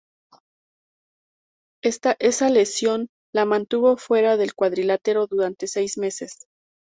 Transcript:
Esa lesión la mantuvo fuera del cuadrilátero durante seis meses.